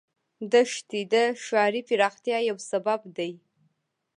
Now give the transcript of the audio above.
دښتې د ښاري پراختیا یو سبب دی.